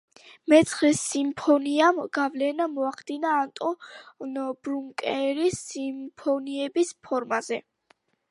მეცხრე სიმფონიამ გავლენა მოახდინა ანტონ ბრუკნერის სიმფონიების ფორმაზე.